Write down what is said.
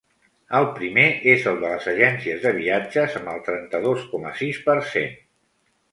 El primer és el de les agències de viatges, amb el trenta-dos coma sis per cent.